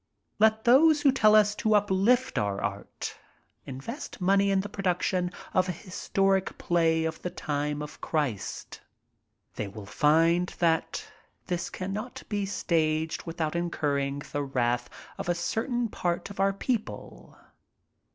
Let those who tell us to uplift our art, invest money in the production of an historic play of the time of Christ They will find this cannot be staged without incurring the wrath of a certain part of our people.